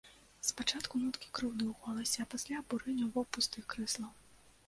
Спачатку ноткі крыўды ў голасе, а пасля абурэнне ў бок пустых крэслаў.